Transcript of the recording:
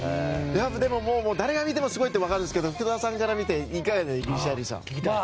でも、誰が見てもすごいって分かるんですが福田さんから見ていかがですか？